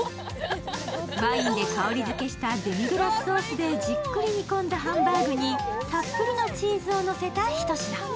ワインで香りづけしたデミグラスソースでじっくり煮込んだハンバーグにたっぷりのチーズをのせた一品。